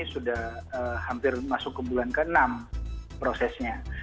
sudah hampir masuk ke bulan ke enam prosesnya